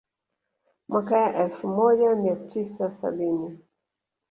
Mwaka elfu moja mia tisa sabini